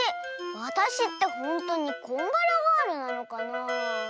わたしってほんとにこんがらガールなのかなあ。